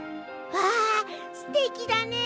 わあすてきだね！